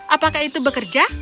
apakah itu bekerja